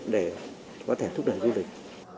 để có thể thúc đẩy du lịch